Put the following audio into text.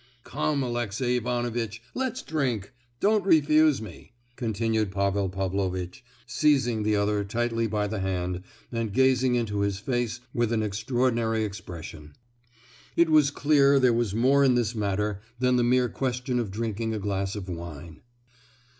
"Come, Alexey Ivanovitch, let's drink!—don't refuse me!" continued Pavel Pavlovitch, seizing the other tightly by the hand and gazing into his face with an extraordinary expression. It was clear there was more in this matter than the mere question of drinking a glass of wine.